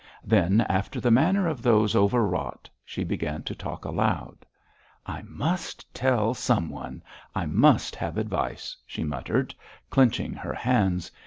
Then, after the manner of those over wrought, she began to talk aloud. 'I must tell someone; I must have advice,' she muttered, clenching her hands.